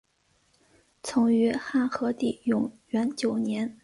曾于汉和帝永元九年。